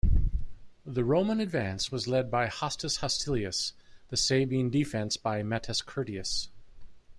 The Roman advance was led by Hostus Hostilius, the Sabine defence by Mettus Curtius.